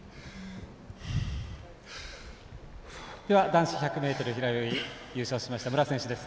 男子１００ｍ平泳ぎ優勝しました武良選手です。